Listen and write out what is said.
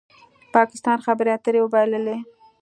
پاکستان خبرې اترې وبایللې